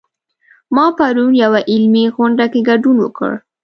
ما پرون یوه علمي غونډه کې ګډون وکړ